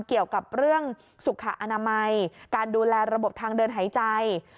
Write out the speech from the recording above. เกี่ยวกับเรื่องสุขอนามัยการดูแลระบบทางเดินหายใจ